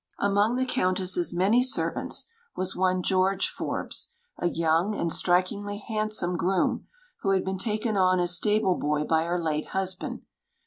Among the Countess's many servants was one George Forbes, a young and strikingly handsome groom, who had been taken on as stable boy by her late husband.